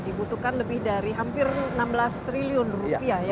dibutuhkan lebih dari hampir enam belas triliun rupiah ya